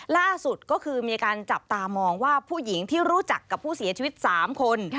ล่าสุดก็คือมีการจับตามองว่าผู้หญิงที่รู้จักกับผู้เสียชีวิต๓คน